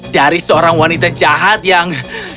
dari seorang wanita jahat yang